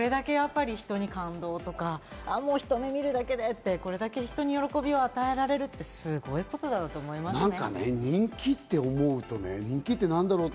でもこれだけ人に感動とか、ひと目、見るだけでって、これだけ人に喜びを与えられるってすごいことだなって思いました。